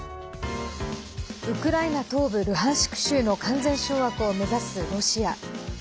ウクライナ東部ルハンシク州の完全掌握を目指すロシア。